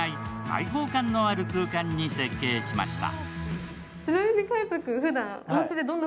開放感のある空間に設計しました。